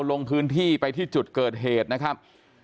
ลงพื้นที่ไปที่จุดเกิดเหตุนะครับ